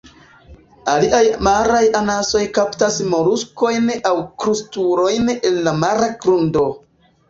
Aliaj maraj anasoj kaptas moluskojn aŭ krustulojn el la mara grundo.